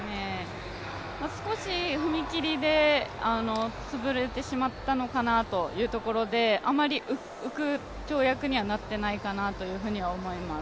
少し踏切で潰れてしまったのかなということであまり浮く跳躍にはなっていないかなというふうに思います。